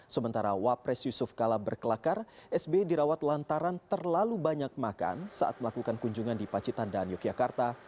sementara wapres yusuf kala berkelakar sb dirawat lantaran terlalu banyak makan saat melakukan kunjungan di pacitan dan yogyakarta